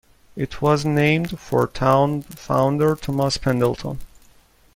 It was named for town founder Thomas Pendleton.